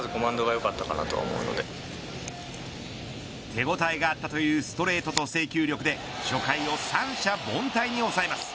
手応えがあったというストレートと制球力で初回を三者凡退に抑えます。